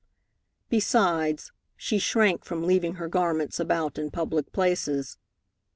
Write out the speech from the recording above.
Besides, she shrank from leaving her garments about in public places.